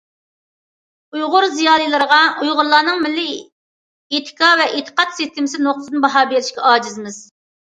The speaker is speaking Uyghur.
ئۇيغۇر زىيالىيلىرىغا ئۇيغۇرلارنىڭ مىللىي ئېتىكا ۋە ئېتىقاد سىستېمىسى نۇقتىسىدىن باھا بېرىشكە ئاجىزمىز.